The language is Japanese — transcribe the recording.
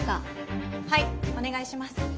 はいお願いします。